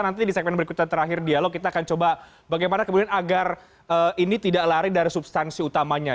nanti di segmen berikutnya terakhir dialog kita akan coba bagaimana kemudian agar ini tidak lari dari substansi utamanya